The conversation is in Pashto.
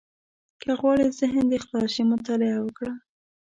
• که غواړې ذهن دې خلاص شي، مطالعه وکړه.